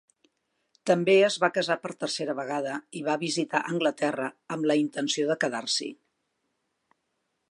També es va casar per tercera vegada i va visitar Anglaterra amb la intenció de quedar-s'hi.